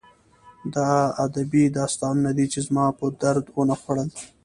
دا ادبي داستانونه دي چې زما په درد ونه خوړل